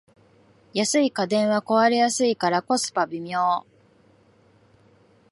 安い家電は壊れやすいからコスパ微妙